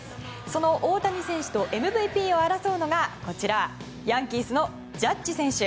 その大谷選手とＭＶＰを争うのがヤンキースのジャッジ選手。